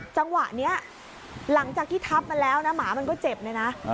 จังหวะนี้หลังจากที่ทับมาแล้วนะหมามันก็เจ็บเลยนะ